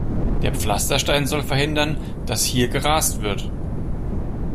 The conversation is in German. Der Pflasterstein soll verhindern, dass hier gerast wird.